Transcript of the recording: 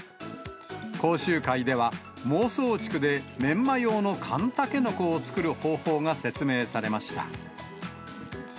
講習会では、孟宗竹でメンマ用の乾タケノコを作る方法が説明されました。